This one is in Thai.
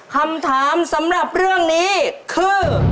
คำถามสำหรับเรื่องนี้คือ